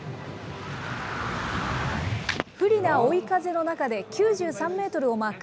不利な追い風の中で、９３メートルをマーク。